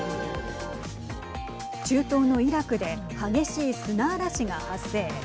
中東のイラクで激しい砂嵐が発生。